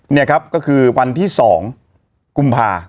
นี่ครับก็คือวันที่๒กุมภา